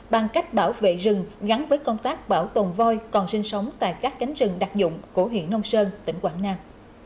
bằng cách bảo vệ rừng gắn với công tác bảo tồn voi còn sinh sống tại các cánh rừng đặc dụng của huyện nông sơn tỉnh quảng nam